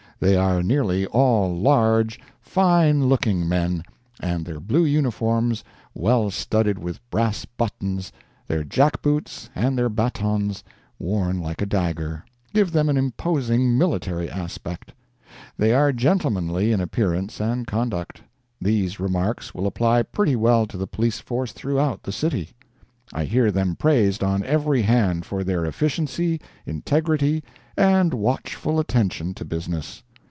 They are nearly all large, fine looking men, and their blue uniforms, well studded with brass buttons, their jack boots, and their batons worn like a dagger, give them an imposing military aspect. They are gentlemanly in appearance and conduct. These remarks will apply pretty well to the police force throughout the city. I hear them praised on every hand for their efficiency, integrity and watchful attention to business.